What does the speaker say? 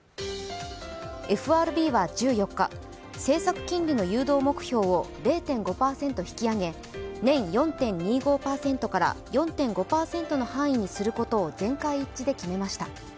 ＦＲＢは１４日、政策金利の誘導目標を０．５％引き上げ年４．２５％から４．５％の範囲にすることを全会一致で決めました。